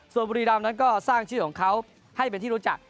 ส่วนบุรีรำนั้นก็สร้างชื่อของเขาให้เป็นที่รู้จัก